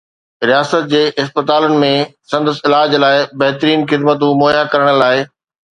رياست جي اسپتالن ۾ سندس علاج لاء بهترين خدمتون مهيا ڪرڻ لاء